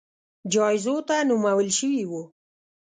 جایزو ته نومول شوي وو